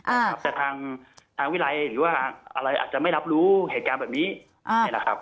แต่ทางทางวิรัยหรือว่าอะไรอาจจะไม่รับรู้เหตุการณ์แบบนี้นี่แหละครับ